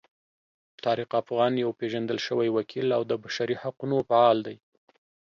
طارق افغان یو پیژندل شوی وکیل او د بشري حقونو فعال دی.